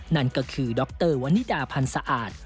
นั่นก็คือดรวนิดาพันธ์สะอาด